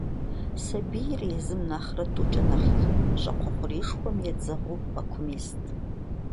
Сэбийр езым нэхърэ тӏукӏэ нэхъ ину щӏакхъуэ хъурейшхуэм едзэгъуу пӏэкум ист.